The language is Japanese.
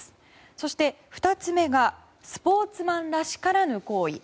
そして２つ目がスポーツマンらしからぬ行為。